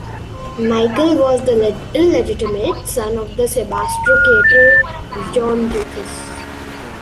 Michael was the illegitimate son of the "sebastokrator" John Doukas.